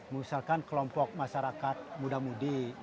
misalkan kelompok masyarakat muda mudi